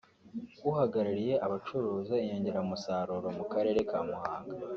uhagarariye abacuruza inyongeramusaruro mu Karere ka Muhanga